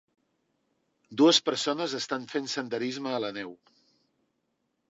Dues persones estan fent senderisme a la neu.